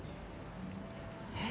えっ？